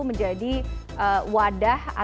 menjadi wadah atau yang bisa diberikan ke orang lain